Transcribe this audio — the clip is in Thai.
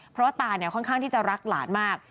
เพราะว่าตาเนี่ยค่อนข้างที่จะรักหลานมาก